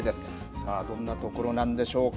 さあ、どんな所なんでしょうか。